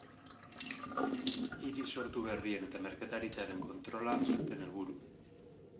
Hiri sortu berrien eta merkataritzaren kontrola zuten helburu.